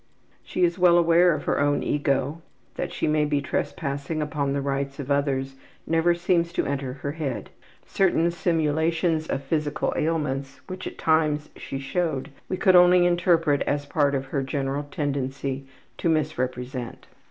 She is well aware of her own ego; that she may be trespassing upon the rights of others never seems to enter her head. Certain simulations of physical ailments, which at times she showed, we could only interpret as part of her general tendency to misrepresent.